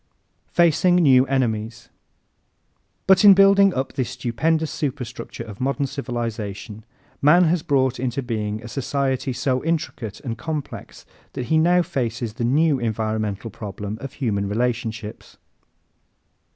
Facing New Enemies ¶ But in building up this stupendous superstructure of modern civilization man has brought into being a society so intricate and complex that he now faces the new environmental problem of human relationships.